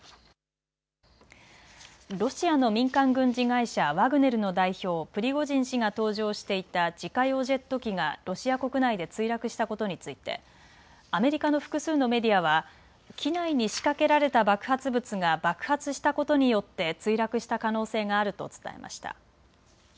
ロシアの民間軍事会社ワグネルの代表、プリゴジン氏が搭乗していた自家用ジェット機がロシア国内で墜落したことについてアメリカの複数のメディアは機内に仕掛けられた爆発物が爆発したことによって墜落した可能性があると伝えました。